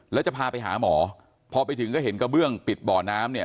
แล้วจะพาไปหาหมอพอไปถึงก็เห็นกระเบื้องปิดบ่อน้ำเนี่ย